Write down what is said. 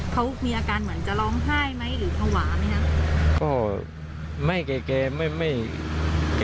เขามีอาการเหมือนจะร้องไห้หรือหลวงไหว่ไหมครับ